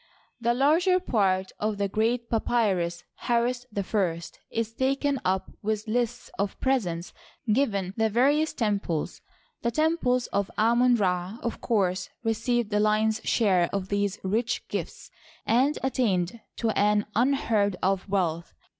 The larger part of the great papyrus Harris I is taken up with lists of presents g^ven the various temples. The temples of Amon Ra, of course, received the lion's share of these rich gifts, and attained to an unheard of wealth.